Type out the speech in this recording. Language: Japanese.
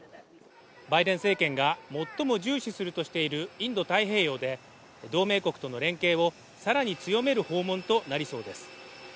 バイデン政権が最も重視するとしているインド太平洋で同盟国との連携をさらに強める訪問となりそうです